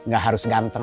gak harus ganteng